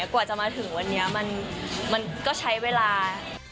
กว่าจะมาถึงวันนี้มันก็ใช้เวลา